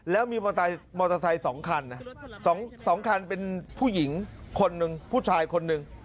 แล้วมีมอเตอร์ไซค์๒คัน๒คันเป็นผู้หญิงคนหนึ่งผู้ชายคนหนึ่ง